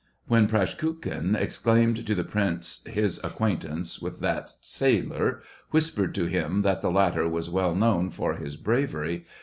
When Praskukhin, explaining to the prince his acquaintance with that sailor^ whispered to him that the latter was well known for his bravery.